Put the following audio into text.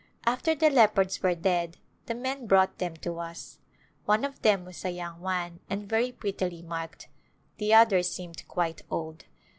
After the leopards were dead the men brought them to us. One of them was a young one and very prettily marked, the other seemed quite old.